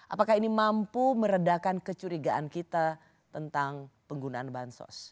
apakah ini mampu meredakan kecurigaan kita tentang penggunaan bansos